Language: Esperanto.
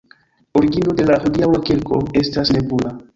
Origino de la hodiaŭa kirko estas nebula.